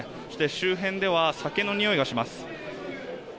周辺では酒のにおいがします。